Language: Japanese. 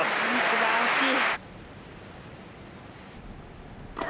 すばらしい。